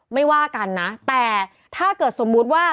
ไม่ว่ากันนะแต่ถ้าเกิดสมมุติว่า